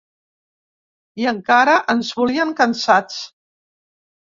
I encara: Ens volien cansats.